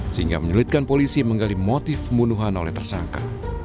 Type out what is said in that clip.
sehingga menyulitkan polisi menggali motif pembunuhan oleh tersangka